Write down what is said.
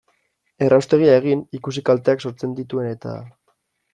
Erraustegia egin, ikusi kalteak sortzen dituen eta...